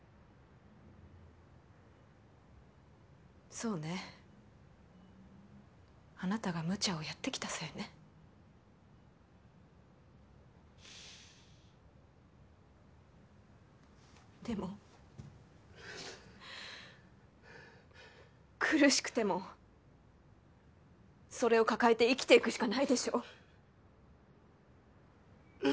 そうねあなたがむちゃをやってきたせいねでも苦しくてもそれを抱えて生きていくしかないでしょう？